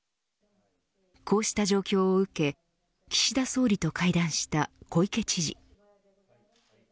こうした状況を受け岸田総理と会談した小池知事。